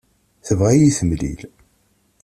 Tebɣa ad yi-temlil.